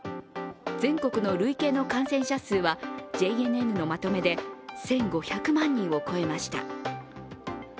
全国の累計の感染者数はＪＮＮのまとめで１５００万人を超えました。